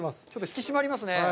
ちょっと引き締まりますね。